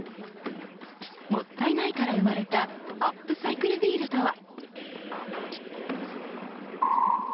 もったいないから生まれたアップサイクルビールとは。